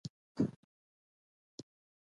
هغوی یوه دیکتاتوري جوړه کړې وه.